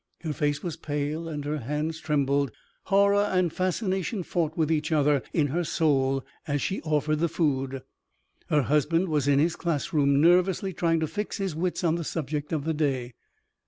Her face was pale and her hands trembled. Horror and fascination fought with each other in her soul as she offered the food. Her husband was in his classroom, nervously trying to fix his wits on the subject of the day.